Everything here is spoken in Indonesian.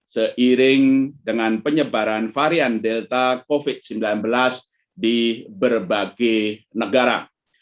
seiring dengan penyebaran varian delta covid sembilan belas di berbagai negara